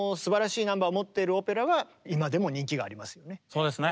そうですね。